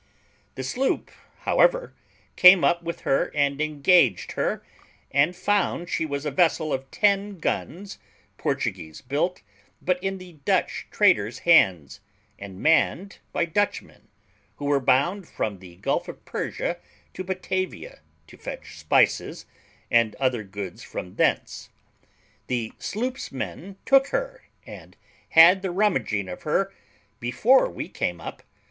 The sloop, however, came up with her and engaged her, and found she was a vessel of ten guns, Portuguese built, but in the Dutch traders' hands, and manned by Dutchmen, who were bound from the Gulf of Persia to Batavia, to fetch spices and other goods from thence. The sloop's men took her, and had the rummaging of her before we came up.